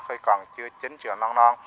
hơi còn chưa chín chưa non non